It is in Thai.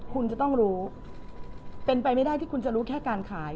คุณจะต้องรู้เป็นไปไม่ได้ที่คุณจะรู้แค่การขาย